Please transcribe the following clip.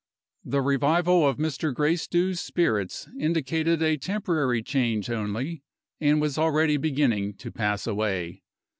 The revival of Mr. Gracedieu's spirits indicated a temporary change only, and was already beginning to pass away.